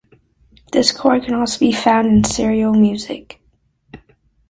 This chord can also be found in serial music.